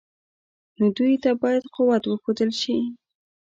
نو دوی ته باید قوت وښودل شي.